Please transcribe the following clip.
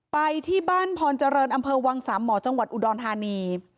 ไปที่บ้านพรเจริญอำเภอวังสามหมอจังหวัดอุดรธานี